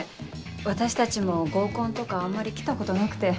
私たちも合コンとかあんまり来たことなくて。